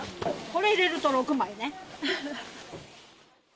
これ入れると６枚ね。